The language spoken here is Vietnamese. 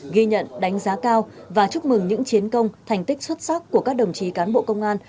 ghi nhận đánh giá cao và chúc mừng những chiến công thành tích xuất sắc của các đồng chí cán bộ công an